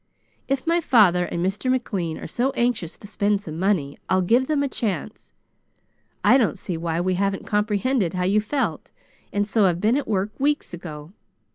If my father and Mr. McLean are so anxious to spend some money, I'll give them a chance. I don't see why we haven't comprehended how you felt and so have been at work weeks ago.